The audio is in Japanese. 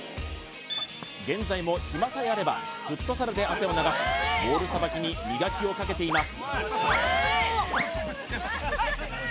現在も暇さえあればフットサルで汗を流しボールさばきに磨きをかけています